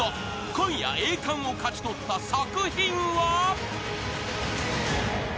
今夜栄冠を勝ち取った作品は］